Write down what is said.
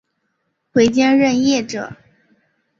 回京任谒者。